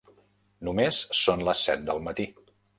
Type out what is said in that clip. Només són les set del matí.